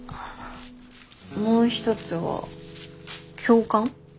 もう一つは教官。